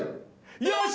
よし！